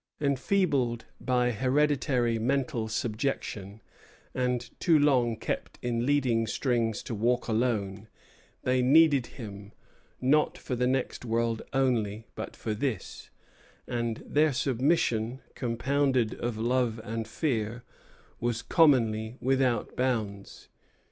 Enfeebled by hereditary mental subjection, and too long kept in leading strings to walk alone, they needed him, not for the next world only, but for this; and their submission, compounded of love and fear, was commonly without bounds.